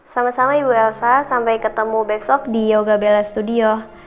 sama sama ibu elsa sampai ketemu besok di yoga bella studio